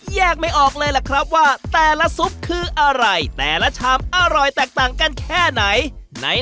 แยกไม่ออกเลยล่ะครับว่าแต่ละซุปคืออะไรแต่ละชามอร่อยแตกต่างกันแค่ไหน